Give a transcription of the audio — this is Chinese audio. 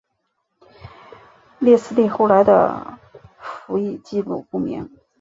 列斯利后来的服役纪录不明。